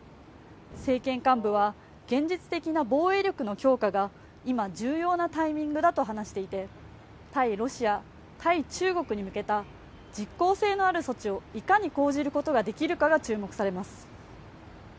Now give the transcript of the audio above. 政権幹部は現実的な防衛力の強化が今、重要なタイミングだと話していて対ロシア、対中国に向けた実効性のある措置をいかに講じることができるかが注目されます。